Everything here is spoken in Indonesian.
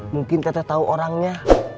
mungkin teteh tau orangnya